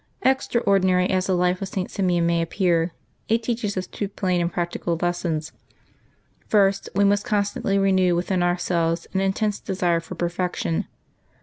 Extraordinary as the life of St. Simeon may appear, it teaches us two plain and practical lessons: First, we must constantly renew within ourselves an intense desire for perfection.